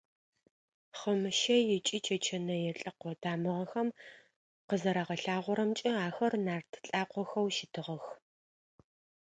Хъымыщэй ыкӏи чэчэнэе лӏэкъо тамыгъэхэм къызэрагъэлъагъорэмкӏэ, ахэр нарт лӏакъохэу щытыгъэх.